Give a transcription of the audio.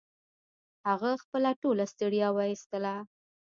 هغه خپله ټوله ستړيا و ایستله